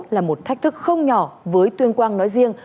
là một thách thức không nhỏ với tuyên quang nói riêng